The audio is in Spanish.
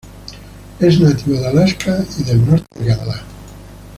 Es nativo de Alaska y el norte de Canadá.